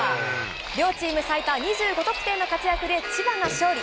両チーム最多２５得点の活躍で、千葉が勝利。